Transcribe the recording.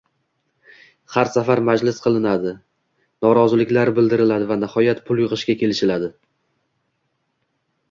Har safar majlis qilinadi, noroziliklar bildiriladi va nihoyat pul yigʻishga kelishiladi.